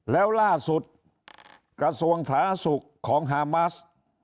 แล้วล่าสุดกระทรวงสาธารณสุขของฮามาส